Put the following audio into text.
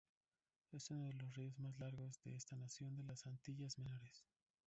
Es uno de los ríos más largos de esa nación de las Antillas menores.